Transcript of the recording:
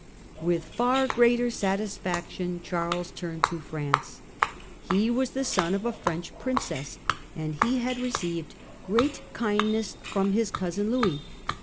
With far greater satisfaction Charles turned to France. He was the son of a French princess, and he had received great kindness from his cousin Louis.